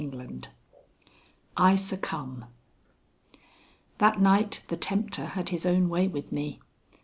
III I SUCCUMB That night the tempter had his own way with me.